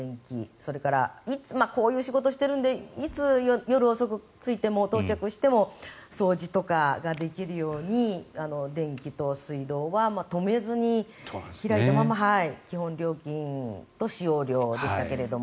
それからこういう仕事をしているのでいつ夜遅く着いても、到着しても掃除とかができるように電気と水道は止めずに開いたまま基本料金と使用料でしたけども。